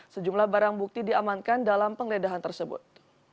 sejumlah barang bukti diamankan dalam penggeledahan tersebut